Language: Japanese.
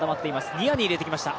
ニアに入れてきました。